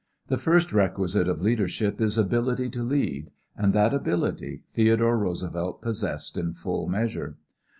The first requisite of leadership is ability to lead, and that ability Theodore Roosevelt possessed in full measure.